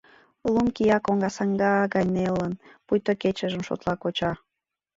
Лум кия коҥгасаҥга гай нелын, пуйто кечыжым шотла коча.